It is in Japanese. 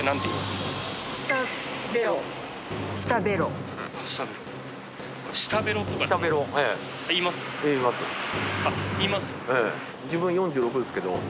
言います？